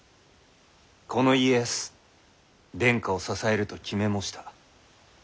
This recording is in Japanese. この家康殿下を支えると決め申した。